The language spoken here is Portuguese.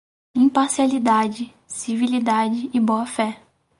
Imparcialidade, civilidade e boa-fé